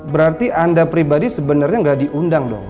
berarti anda pribadi sebenarnya nggak diundang dong